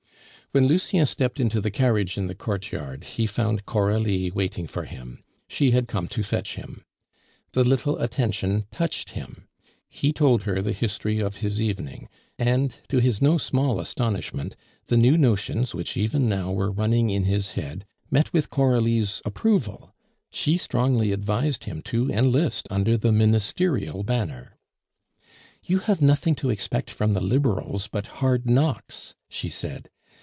When Lucien stepped into the carriage in the courtyard, he found Coralie waiting for him. She had come to fetch him. The little attention touched him; he told her the history of his evening; and, to his no small astonishment, the new notions which even now were running in his head met with Coralie's approval. She strongly advised him to enlist under the ministerial banner. "You have nothing to expect from the Liberals but hard knocks," she said.